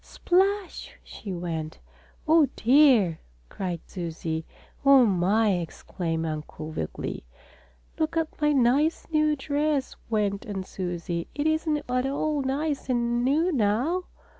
"Splash!" she went. "Oh, dear!" cried Susie. "Oh, my!" exclaimed Uncle Wiggily. "Look at my nice, new dress," went on Susie. "It isn't at all nice and new now.